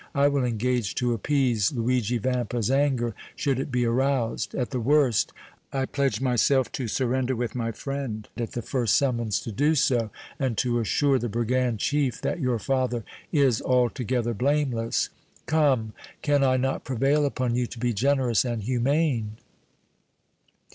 I will engage to appease Luigi Vampa's anger, should it be aroused; at the worst, I pledge myself to surrender with my friend at the first summons to do so, and to assure the brigand chief that your father is altogether blameless. Come, can I not prevail upon you to be generous and humane?"